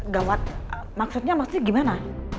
gawat maksudnya maksudnya gimana